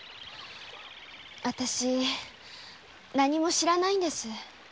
あたし何にも知らないんです。